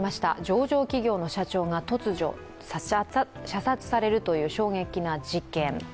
上場企業の社長が突如射殺されるという衝撃な事件。